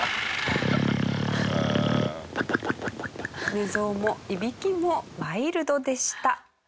寝相もいびきもワイルドでした。